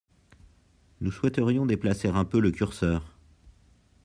Nous souhaiterions déplacer un peu le curseur.